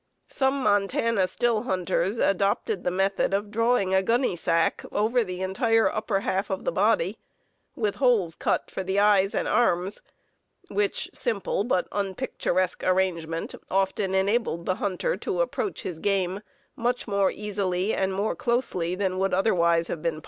Some Montana still hunters adopted the method of drawing a gunny sack over the entire upper half of the body, with holes cut for the eyes and arms, which simple but unpicturesque arrangement often enabled the hunter to approach his game much more easily and more closely than would otherwise have been possible.